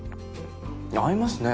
合いますね！